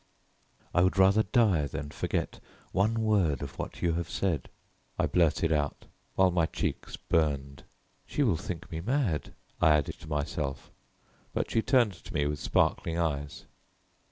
"I would rather die than forget one word of what you have said!" I blurted out, while my cheeks burned. "She will think me mad," I added to myself, but she turned to me with sparkling eyes.